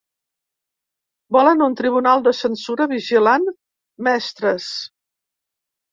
Volen un tribunal de censura vigilant mestres.